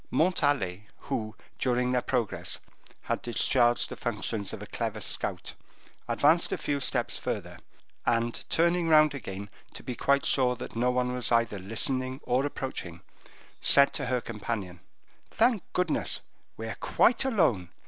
Montalais, who, during their progress, had discharged the functions of a clever scout, advanced a few steps further, and turning round again, to be quite sure that no one was either listening or approaching, said to her companion, "Thank goodness, we are quite alone!